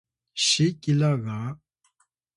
sikila ga